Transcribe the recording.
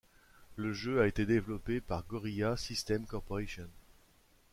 Le jeu a été développé par Gorilla Systems Corporation.